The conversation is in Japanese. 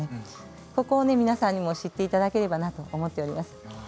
ここを皆さんにも知っていただければと思っています。